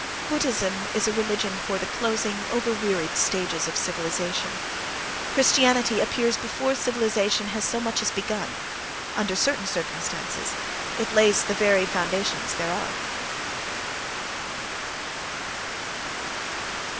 Buddhism is a religion for the closing, over wearied stages of civilization. Christianity appears before civilization has so much as begun—under certain circumstances it lays the very foundations thereof.